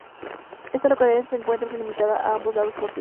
Esta localidad se encuentra delimitada a ambos lados por playas.